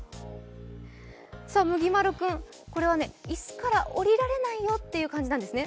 むぎまる君、これは椅子から下りられないよっていう感じなんですね。